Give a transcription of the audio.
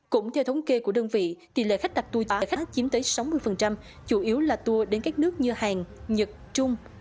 cũng theo thống kê của đơn vị tỷ lệ khách đặt thu giá khách chiếm tới sáu mươi chủ yếu là thu đến các nước như hàn nhật trung